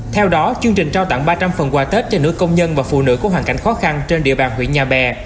theo đó chương trình trao tặng ba trăm linh phần quà tết cho nữ công nhân và phụ nữ có hoàn cảnh khó khăn trên địa bàn huyện nhà bè